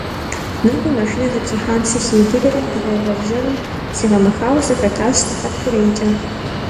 Нобэ машинэ зэтрихьам сыхиубыдэри, дыгъэ вэржьэрым сигъэмэхауэ сыхэтащ сыхьэт хъурейкӏэ.